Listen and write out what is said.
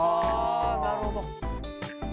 あなるほど。